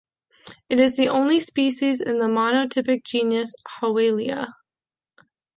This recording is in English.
It is the only species in the monotypic genus Howellia.